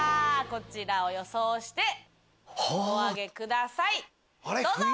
こちらを予想してお挙げくださいどうぞ！